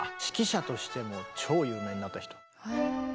指揮者としても超有名になった人。